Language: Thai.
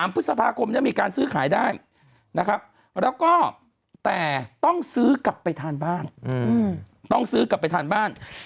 ๓พฤษภาคมเนี่ยมีการซื้อขายได้นะครับแล้วก็แต่ต้องซื้อกลับไปทานบ้าน